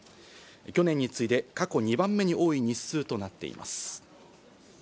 去年に次いで過去２番目に多い日数となっています。